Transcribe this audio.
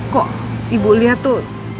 kok ibu liat tuh